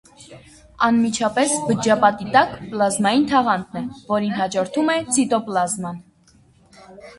Անմիջապես բջջապատի տակ պլազմային թաղանթն է, որին հաջորդում է ցիտոպլազման։